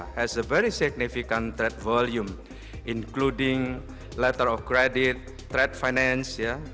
ada volume perang yang sangat signifikan termasuk letter of credit perang finansial